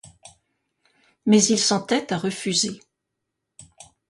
Mais, s'il s'entête à refuser.